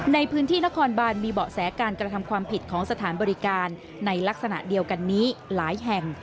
ในพื้นที่นครบานมีเบาะแสการกระทำความผิดของสถานบริการในลักษณะเดียวกันนี้หลายแห่ง